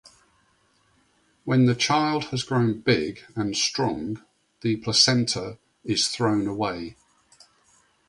When the child has grown big and strong, the placenta is thrown away.